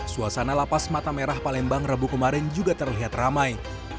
suasana lapas mata merah palembang rabu kemarin juga terlihat ramai